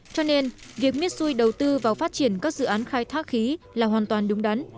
cho nên việc mitsui đầu tư vào phát triển các dự án khai thác khí là hoàn toàn đúng đắn